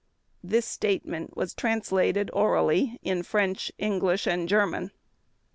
This statement was translated orally in French, English, and German.